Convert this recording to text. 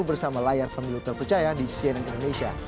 bersama layar pemilu terpercaya di cnn indonesia